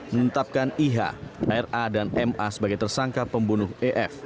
menetapkan iha r a dan m a sebagai tersangka pembunuh e f